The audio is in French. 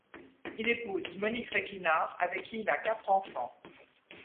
Il épouse Monique Requina avec qui il a quatre enfants.